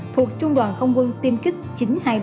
thuộc trung đoàn không quân tiêm kích chín trăm hai mươi bảy